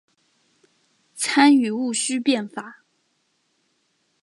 参与戊戌变法。